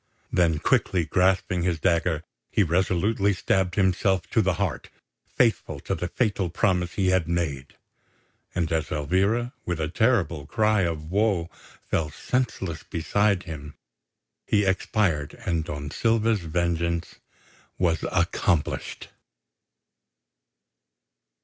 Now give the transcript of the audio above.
Then quickly grasping his dagger he resolutely stabbed himself to the heart, faithful to the fatal promise he had made; and as Elvira, with a terrible cry of woe, fell senseless beside him, he expired and Don Silva's vengeance was accomplished.